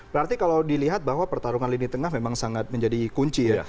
jadi saya melihat bahwa pertarungan lini tengah memang sangat menjadi kunci ya